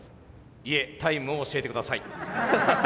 いえタイムを教えてください。